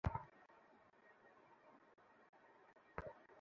কারণ তুমি আমার স্বামীর সাথে শুয়েছ আর আমি তোমাকে খুব ভদ্রভাবে অনুরোধ করছি।